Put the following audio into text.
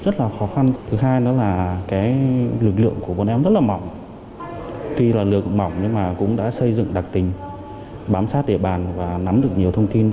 thứ hai là lực lượng của bọn em rất là mỏng tuy lực mỏng nhưng cũng đã xây dựng đặc tính bám sát địa bàn và nắm được nhiều thông tin